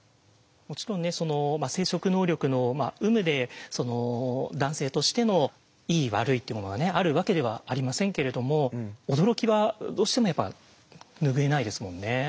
もちろんねその生殖能力の有無で男性としてのいい悪いっていうものがねあるわけではありませんけれども驚きはどうしてもやっぱ拭えないですもんね。